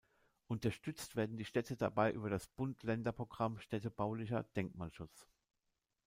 Unterstützt werden die Städte dabei über das Bund-Länder-Programm „Städtebaulicher Denkmalschutz“.